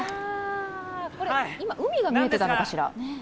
今、海が見えてたのかしら？